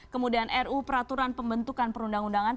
kemudian ru peraturan pembentukan perundang undangan